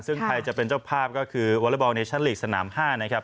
ซึ่งไทยจะเป็นเจ้าภาพก็คือวอเลอร์บอลเนชั่นลีกสนาม๕นะครับ